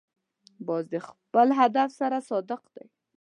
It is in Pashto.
باز د خپل هدف سره صادق دی